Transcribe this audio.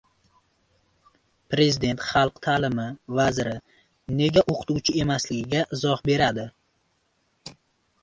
Prezident xalq ta'limi vaziri nega o‘qituvchi emasligiga izoh berdi.